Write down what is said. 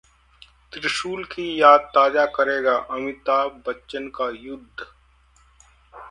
त्रिशूल की याद ताजा करेगा अमिताभ बच्चन का 'युद्ध'